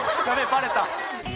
バレた。